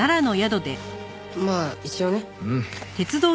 まあ一応ね。